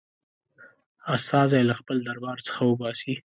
استازی له خپل دربار څخه وباسي.